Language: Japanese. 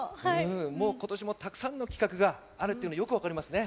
ことしもたくさんの企画があるっていうのはよく分かりますね。